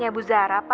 gak mau gede papa